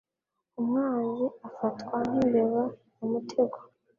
Umwanzi afatwa nkimbeba mumutego.